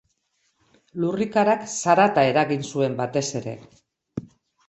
Lurrikarak zarata eragin zuen batez ere.